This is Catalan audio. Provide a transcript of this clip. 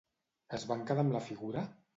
Es van quedar amb la figura?